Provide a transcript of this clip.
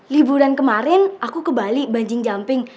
liburan kemarin aku ke bali banjing jamping